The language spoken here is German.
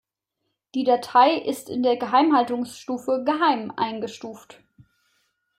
Die Datei ist in der Geheimhaltungsstufe "Geheim" eingestuft.